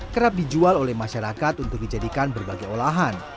kerap dijual oleh masyarakat untuk dijadikan berbagai olahan